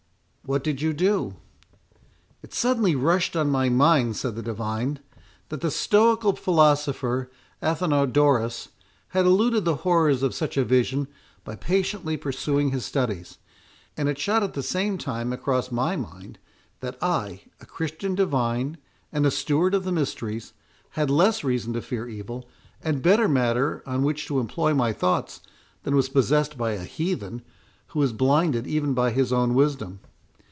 "What did you do?" "It suddenly rushed on my mind," said the divine, "that the stoical philosopher Athenodorus had eluded the horrors of such a vision by patiently pursuing his studies; and it shot at the same time across my mind, that I, a Christian divine, and a Steward of the Mysteries, had less reason to fear evil, and better matter on which to employ my thoughts, than was possessed by a Heathen, who was blinded even by his own wisdom.